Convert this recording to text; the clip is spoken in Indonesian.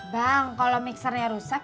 bang kalau mixernya rusak